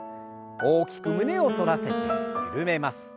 大きく胸を反らせて緩めます。